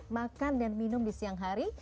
makan dan minum di siang hari